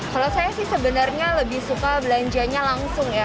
kalau saya sih sebenarnya lebih suka belanjanya langsung ya